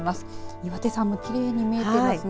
岩手山もきれいに見えていますね。